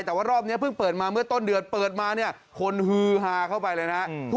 แต่ว่ารอบนี้เพิ่งเปิดมาเมื่อต้นเดือนเปิดมาเนี่ยคนฮือฮาเข้าไปเลยนะ